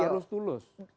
tidak harus tulus